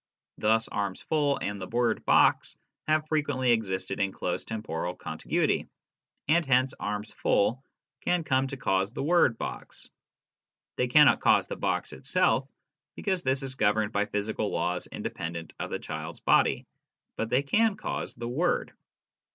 Thus arms full and the word " box " have frequently existed in C 18 BERTRAND RUSSELL. close temporal contiguity, and hence arms full can come to cause the word "box." They cannot cause the box itself, because this is governed by physical laws independent of the child's body ; but they can cause the word.